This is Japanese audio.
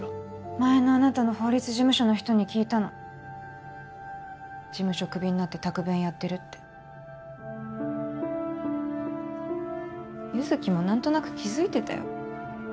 前のあなたの法律事務所の人に聞いたの事務所クビになってタクベンやってるって優月もなんとなく気づいてたよ